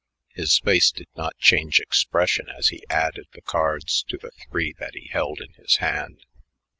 His face did not change expression as he added the cards to the three that he held in his hand.